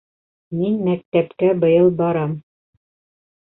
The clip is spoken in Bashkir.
Мин мәктәпкә быйыл барам